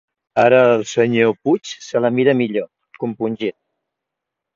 Ara el senyor Puig se la mira millor, compungit.